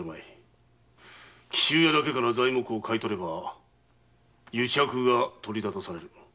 紀州屋だけから材木を買い取れば癒着が取り沙汰される。